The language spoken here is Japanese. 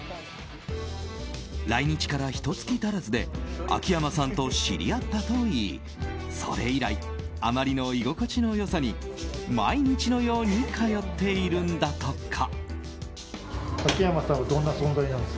来日からひと月足らずで秋山さんと知り合ったといいそれ以来あまりの居心地の良さに毎日のように通っているんだとか。